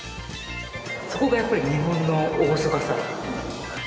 そこがやっぱり日本の厳かさ。